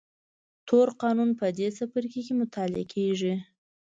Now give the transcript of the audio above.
تور قانون په دې څپرکي کې مطالعه کېږي.